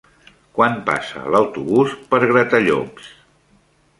Quan passa l'autobús per Gratallops?